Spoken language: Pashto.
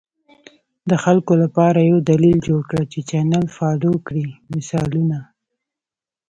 د خلکو لپاره یو دلیل جوړ کړه چې چینل فالو کړي، مثالونه: